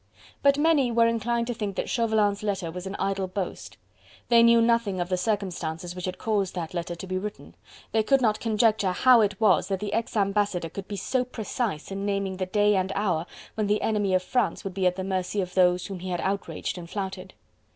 But many were inclined to think that Chauvelin's letter was an idle boast. They knew nothing of the circumstances which had caused that letter to be written: they could not conjecture how it was that the ex ambassador could be so precise in naming the day and hour when the enemy of France would be at the mercy of those whom he had outraged and flouted.